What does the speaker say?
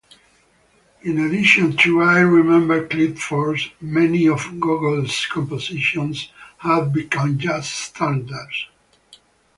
In addition to "I Remember Clifford", many of Golson's compositions have become jazz standards.